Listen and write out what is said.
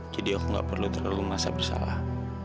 jadi aku nggak perlu terlalu masa bersalah